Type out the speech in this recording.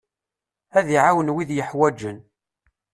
Ad iɛawen wid yeḥwaǧen.